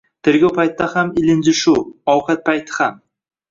Tergov paytida ham ilinji shu. Ovqat payti ham.